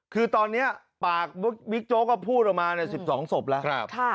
คือตอนนี้ปากบิ๊กโจ๊กก็พูดออกมา๑๒ศพแล้ว